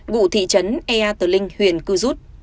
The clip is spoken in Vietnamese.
vụ thị trấn ea tờ linh huyện cư rút